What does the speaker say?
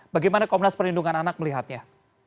bagaimana komnas perlindungan anak melihatnya